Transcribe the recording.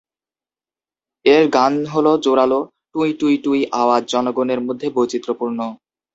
এর গান হল জোরালো টুঁই-টুঁই-টুঁই আওয়াজ জনগণের মধ্যে বৈচিত্র্যপূর্ণ।